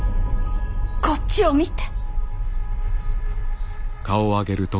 こっちを見て。